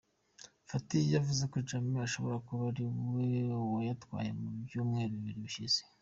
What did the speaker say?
Fatty yavuze ko Jammeh ashobora kuba ari we wayatwaye mu byumweru bibiri bishize.